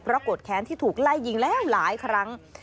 โกรธแค้นที่ถูกไล่ยิงแล้วหลายครั้ง